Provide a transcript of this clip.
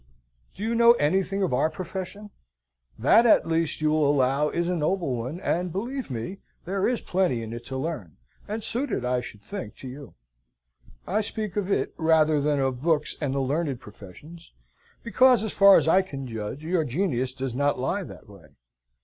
Do you know anything of our profession? That, at least, you will allow, is a noble one; and, believe me, there is plenty in it to learn, and suited, I should think, to you. I speak of it rather than of books and the learned professions, because, as far as I can judge, your genius does not lie that way.